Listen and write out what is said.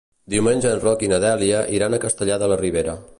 Diumenge en Roc i na Dèlia iran a Castellar de la Ribera.